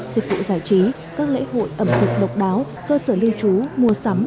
dịch vụ giải trí các lễ hội ẩm thực độc đáo cơ sở lưu trú mua sắm